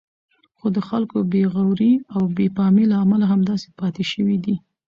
خو د خلکو بې غورئ او بې پامۍ له امله همداسې پاتې شوی دی.